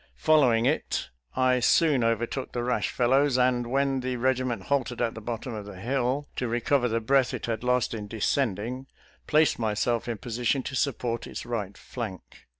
Following it, I soon overtook the rash fellows, and when the regiment halted at the bottom of the hill to re cover the breath it had lost in descending, placed myself in position to support its right flank.